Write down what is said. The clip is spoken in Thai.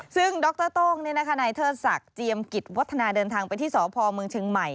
ซึ่งดรโต้งนายเทิดศักดิ์เจียมกิจวัฒนาเดินทางไปที่สพเมืองเชียงใหม่